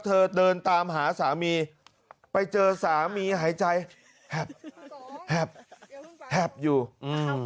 เธอเดินตามหาสามีไปเจอสามีหายใจแหบแหบแหบอยู่อืม